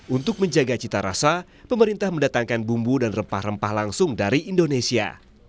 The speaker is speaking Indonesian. untuk menjaga cita rasa pemerintah mendatangkan bumbu dan rempah rempah langsung dari indonesia